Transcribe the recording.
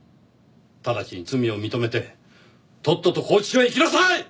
ただちに罪を認めてとっとと拘置所へ行きなさい！